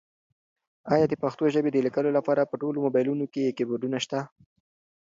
ایا د پښتو ژبې د لیکلو لپاره په ټولو مبایلونو کې کیبورډونه شته؟